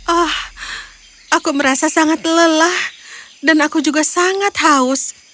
oh aku merasa sangat lelah dan aku juga sangat haus